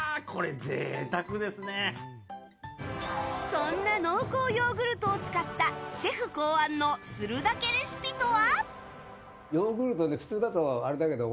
そんな濃厚ヨーグルトを使ったシェフ考案のするだけレシピとは？